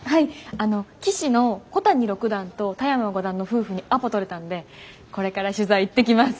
あの棋士の小谷六段と田山五段の夫婦にアポとれたんでこれから取材行ってきます。